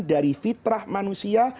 dari fitrah manusia